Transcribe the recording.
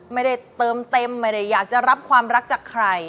ไม่ได้เติมเต็มไม่ได้อยากจะรับความรักจากใคร